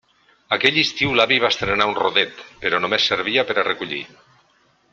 Aquell estiu l'avi va estrenar un rodet, però només servia per a recollir.